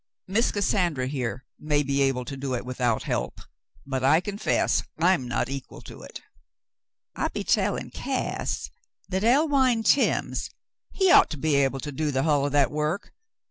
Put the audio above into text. Miss Cassandra here may be able to do it without help, but I confess I'm not equal to it." *'I be'n tellin' Cass that thar Elwine Timms, he ought to be able to do the hull o' that work.